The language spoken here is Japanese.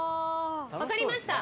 分かりました！